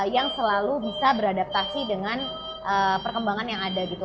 yang selalu bisa beradaptasi dengan perkembangan yang ada gitu